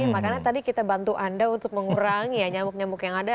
makanya tadi kita bantu anda untuk mengurangi ya nyamuk nyamuk yang ada